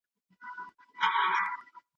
د انشا سمول د استاد له دندو څخه نه دي.